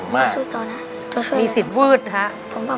มีสิทธิ์เสี่ยงมาก